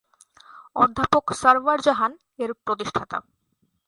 অধ্যাপক সরওয়ার জাহান এর প্রতিষ্ঠাতা।